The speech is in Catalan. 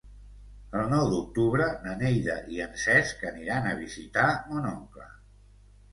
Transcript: El nou d'octubre na Neida i en Cesc aniran a visitar mon oncle.